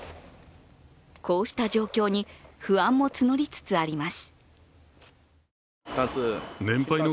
こうした状況に不安も募りつつあります。